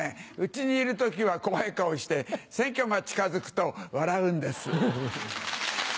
家にいる時は怖い顔して選挙が近づくと笑うんです。